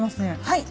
はい。